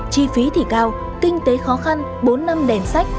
chi phí thì cao kinh tế khó khăn bốn năm đèn sách